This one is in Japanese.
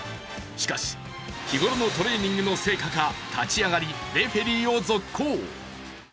しかし、日頃のトレーニングの成果か、立ち上がりレフェリーを続行。